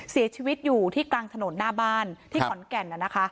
เสียชีวิตอยู่ที่กลางถนนหน้าบ้านที่ขอนแก่น